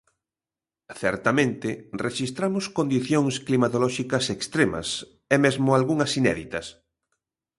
Certamente, rexistramos condicións climatolóxicas extremas, e mesmo algunhas inéditas.